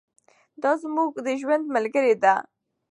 دا زموږ د ژوند ملګرې ده.